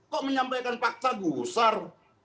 kok menyampaikan fakta gusar